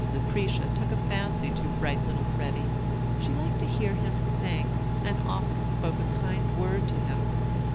Lucretia took a fancy to bright little Freddy. She liked to hear him sing, and often spoke a kind word to him.